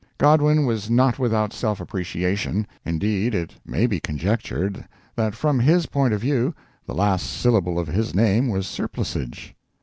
Godwin was not without self appreciation; indeed, it may be conjectured that from his point of view the last syllable of his name was surplusage.